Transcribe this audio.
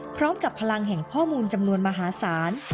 พร้อมกับพลังแห่งข้อมูลจำนวนมหาศาล